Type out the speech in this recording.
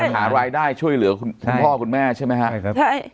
หารายได้ช่วยเหลือคุณพ่อคุณแม่ใช่ไหมครับใช่ครับ